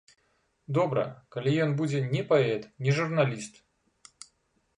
Добра, калі ён будзе не паэт, не журналіст.